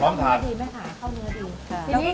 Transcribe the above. พร้อมทานคุณยูรูปดีไหมพี่คนเนี่ยโง่ดี